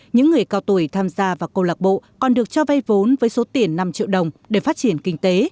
những người cao tuổi tham gia vào câu lạc bộ còn được cho vay vốn với số tiền năm triệu đồng để phát triển kinh tế